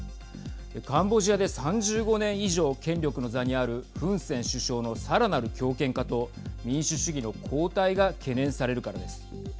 カンボジアで３５年以上権力の座にあるフン・セン首相のさらなる強権化と民主主義の後退が懸念されるからです。